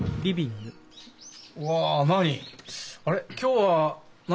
うわ何？